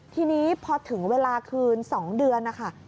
ทีนี้พอถึงเวลาคืน๒เดือนนะคะ